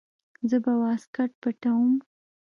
زه به واسکټ پټاووم.